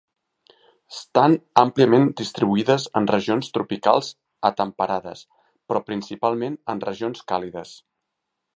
Estan àmpliament distribuïdes en regions tropicals a temperades, però principalment en regions càlides.